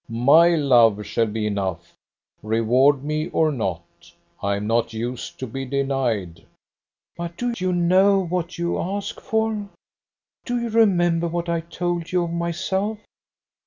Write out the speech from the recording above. My love shall be enough. Reward me or not. I am not used to be denied." "But do you know what you ask for? Do you remember what I told you of myself?